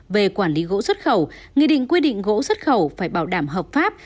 về quản lý gỗ xuất khẩu nghị định quy định gỗ xuất khẩu phải bảo đảm hợp pháp